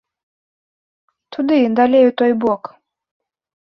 Туды, далей у той бок.